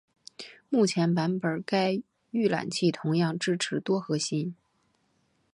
目前版本该预览器同样支持多核心。